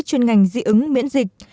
chuyên ngành di ứng miễn dịch